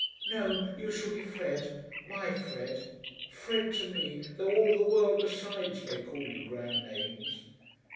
"No. You shall be Fred, my Fred; Fred to me, though all the world besides may call you grand names."